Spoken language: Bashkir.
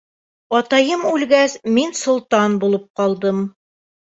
Атайым үлгәс, мин солтан булып ҡалдым.